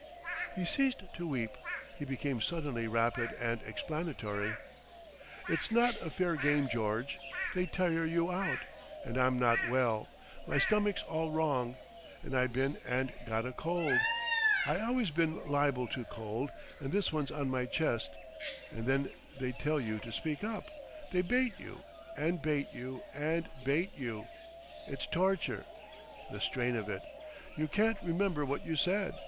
He ceased to weep. He became suddenly rapid and explanatory. "It's not a fair game, George. They tire you out. And I'm not well. My stomach's all wrong. And I been and got a cold. I always been li'ble to cold, and this one's on my chest. And then they tell you to speak up. They bait you—and bait you, and bait you. It's torture. The strain of it. You can't remember what you said.